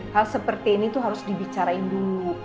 hal seperti ini tuh harus dibicarain dulu